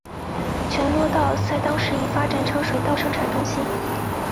全罗道在当时已发展成水稻生产中心。